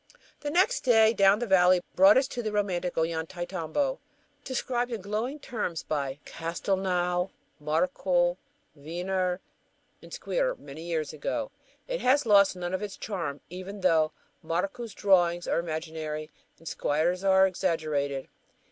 The next day down the valley brought us to romantic Ollantaytambo, described in glowing terms by Castelnau, Marcou, Wiener, and Squier many years ago. It has lost none of its charm, even though Marcou's drawings are imaginary and Squier's are exaggerated.